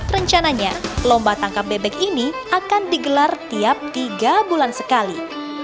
rencananya lomba tangkap bebek ini akan digelar tiap tiga bulan sekali